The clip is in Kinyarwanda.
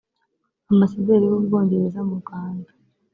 Ambasaderiw’u Bwongereza mu Rwanda